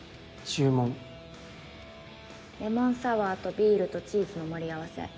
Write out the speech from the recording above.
レモンサワーとビールとチーズの盛り合わせ。